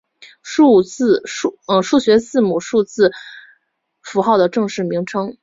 数学字母数字符号的正式名称。